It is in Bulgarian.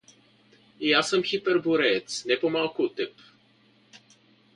И аз съм хипербореец не по-малко от теб.